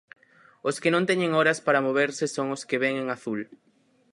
Os que non teñen horas para moverse son os que ven en azul.